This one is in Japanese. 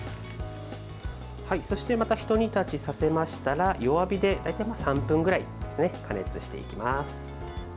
そしてまたひと煮立ちさせましたら弱火で大体、３分ぐらい加熱していきます。